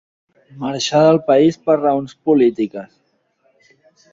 Marxar del país per raons polítiques.